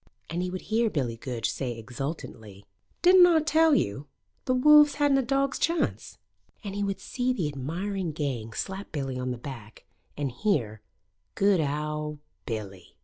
And he would hear Billy Goodge say exultantly: "Didn't Aw tell yo' the Wolves hadn't a dog's chance?" And he would see the admiring gang slap Billy on the back, and hear "Good owd Billy!"